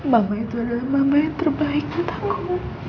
mama itu adalah mama yang terbaik buat aku